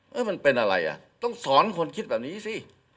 มันเป็นอะไรอ่ะต้องสอนคนคิดแบบนี้สิ